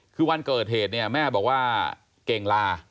คือวันเกิดเหตุเนี่ยแม่บอกว่าเก่งลา